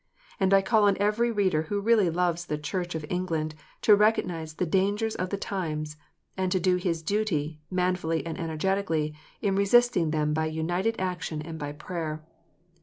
And I call on every reader who really loves the Church of England to recognize the dangers of the times, and to do his duty, manfully and energetically, in resisting them by united action and by prayer.